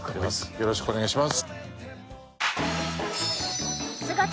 よろしくお願いします！